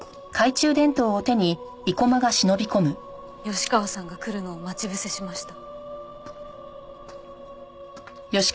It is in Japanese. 吉川さんが来るのを待ち伏せしました。